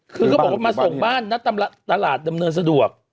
คือเขาบอกว่ามาส่งบ้านนะตลาดดำเนินสะดวก